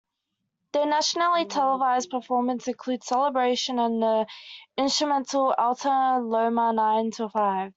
Their nationally televised performance included "Celebration" and the instrumental "Alta Loma Nine 'till Five".